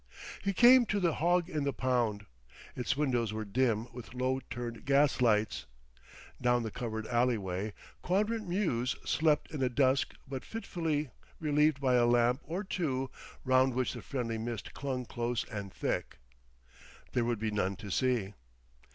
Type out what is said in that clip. He came to the Hog in the Pound. Its windows were dim with low turned gas lights. Down the covered alleyway, Quadrant Mews slept in a dusk but fitfully relieved by a lamp or two round which the friendly mist clung close and thick. There would be none to see....